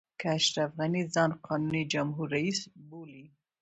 که اشرف غني ځان قانوني جمهور رئیس بولي.